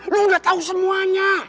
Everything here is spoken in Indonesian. lo udah tau semuanya